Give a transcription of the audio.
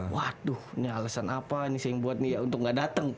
waduh ini alasan apa ini saya buat nih untuk nggak dateng